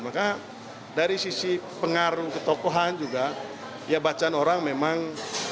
maka dari sisi pengaruh ketokohan juga ya bacaan orang memang